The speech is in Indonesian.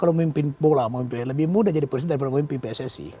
kalau memimpin bola lebih mudah jadi presiden daripada memimpin pssi